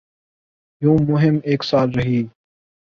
یوں مہم ایک سال رہی۔